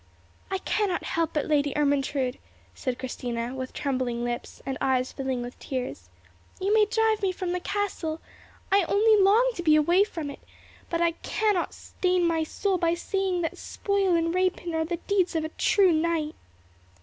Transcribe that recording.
"I cannot help it, Lady Ermentrude," said Christina, with trembling lips, and eyes filling with tears. "You may drive me from the castle—I only long to be away from it; but I cannot stain my soul by saying that spoil and rapine are the deeds of a true knight."